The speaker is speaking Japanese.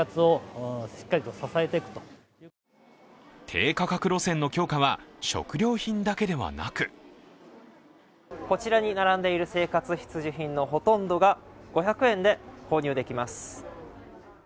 低価格路線の強化は食料品だけではなくこちらに並んでいる生活必需品のほとんどが５００円で購入できます。